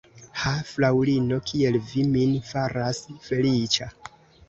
Ha, fraŭlino, kiel vi min faras feliĉa!